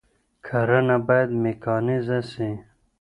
کرنه بايد ميکانيزه سي.